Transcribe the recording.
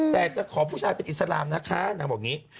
แต่จะขอผู้ชายเป็นอิสลามนะคะนางบอกอย่างนี้